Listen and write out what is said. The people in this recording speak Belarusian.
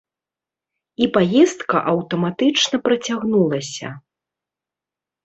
І паездка аўтаматычна працягнулася.